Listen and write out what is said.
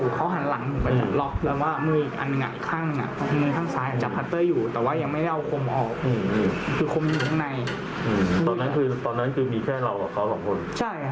เขาบอกแล้วคุณบอกว่า